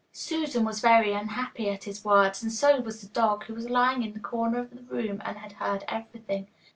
Susan was very unhappy at his words, and so was the dog, who was lying in the corner of the room and had heard everything.